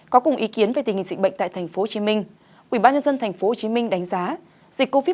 có cùng ý kiến về tình hình dịch bệnh tại tp hcm ubnd tp hcm đánh giá dịch covid một mươi chín